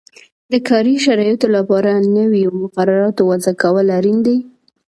د کاري شرایطو لپاره نویو مقرراتو وضعه کول اړین دي.